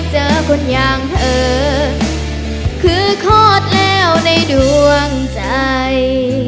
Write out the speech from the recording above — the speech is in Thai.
เจอคนอย่างเธอคือโคตรแล้วในดวงใจ